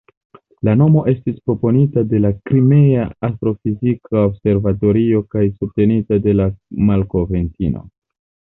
La nomo estis proponita de la Krimea Astrofizika Observatorio kaj subtenita de la malkovrintino.